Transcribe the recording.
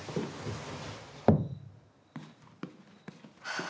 はあ。